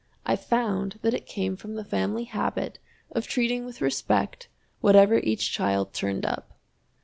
I found that it came from the family habit of treating with respect whatever each child turned up.